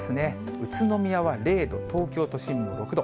宇都宮は０度、東京都心６度。